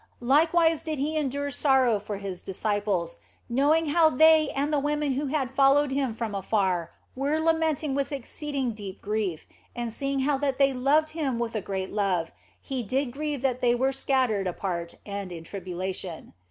Likewise did He endure 78 THE BLESSED ANGELA sorrow for His disciples, knowing how they and the women who had followed Him from afar were lamenting with exceeding deep grief, and seeing how that He loved them with a great love, He did grieve that they were scattered apart and in tribulation.